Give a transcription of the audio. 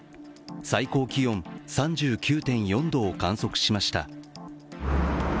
最高気温３９．４度を観測しました。